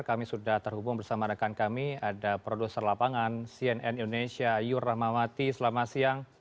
kami sudah terhubung bersama rekan kami ada produser lapangan cnn indonesia ayur rahmawati selamat siang